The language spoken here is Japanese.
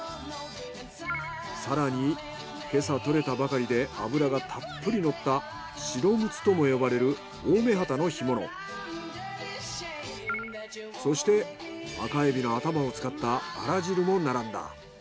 更に今朝獲れたばかりで脂がたっぷりのったシロムツとも呼ばれるそして赤海老の頭を使ったあら汁も並んだ。